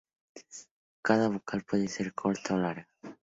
Cada vocal puede ser corta o larga.